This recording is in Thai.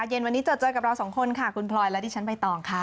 เย็นวันนี้เจอเจอกับเราสองคนค่ะคุณพลอยและดิฉันใบตองค่ะ